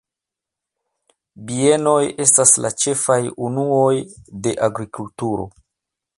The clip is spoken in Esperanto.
Bienoj estas la ĉefaj unuoj de agrikulturo.